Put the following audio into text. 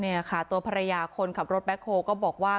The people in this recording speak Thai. เนี่ยค่ะตัวภรรยาคนขับรถแบ็คโฮก็บอกว่า